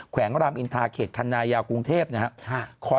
วงรามอินทาเขตคันนายาวกรุงเทพนะครับ